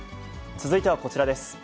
続いてはこちらです。